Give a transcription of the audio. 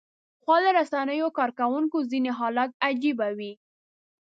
خواله رسنیو کاروونکو ځینې حالات عجيبه وي